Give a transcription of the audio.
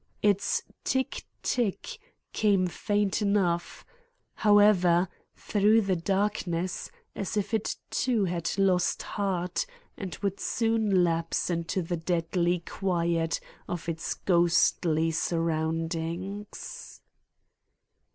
Its tick tick came faint enough, however, through the darkness, as if it too had lost heart and would soon lapse into the deadly quiet of its ghostly surroundings.